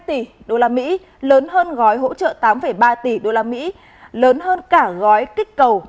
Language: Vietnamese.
tám tỷ đô la mỹ lớn hơn gói hỗ trợ tám ba tỷ đô la mỹ lớn hơn cả gói kích cầu